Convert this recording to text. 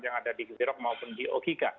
yang ada di kiwirok maupun di okika